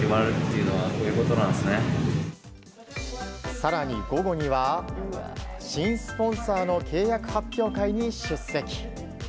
更に午後には新スポンサーの契約発表会に出席。